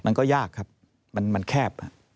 มันก็ยากครับมันแคบ